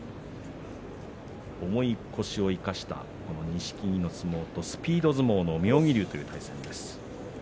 重い腰を生かした錦木スピード相撲の妙義龍という対戦です。